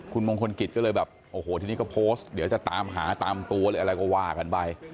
คุณมงคลกิจก็เลยแบบโอ้โหทีนี้ก็โพสต์เดี๋ยวจะตามหาตามตัวหรืออะไรก็ว่ากันไป